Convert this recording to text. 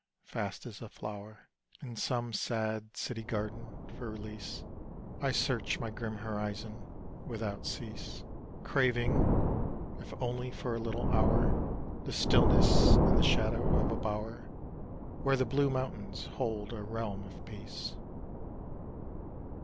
Fast as a flow'r In some sad city garden, for release I search my grim horizon without cease, Craving, if only for a little hour, The stillness and the shadow of a bow'r Where the blue mountains hold a realm of peace.